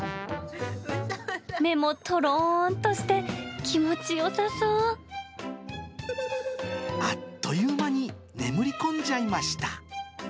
目もとろーんとして、気持ちあっという間に眠り込んじゃいました。